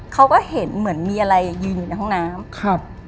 เขาก็เห็นเหมือนมีอะไรยืนอยู่ในห้องน้ำครับ